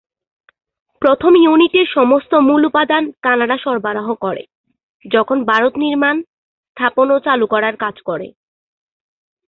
প্রথম ইউনিটের সমস্ত মূল উপাদান কানাডা সরবরাহ করে, যখন ভারত নির্মাণ, স্থাপন ও চালু করার কাজ করে।